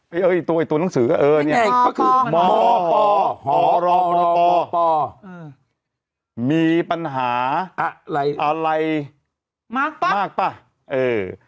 ไอ้ตัวไอ้ตัวหนังสือเออเนี้ยมหหมีปัญหาอะไรอะไรมากป่ะมากป่ะเออ